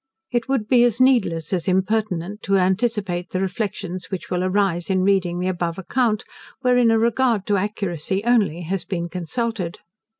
It would be as needless, as impertinent, to anticipate the reflections which will arise in reading the above account, wherein a regard to accuracy only has been consulted.